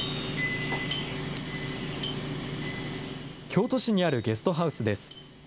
京都市にあるゲストハウスです。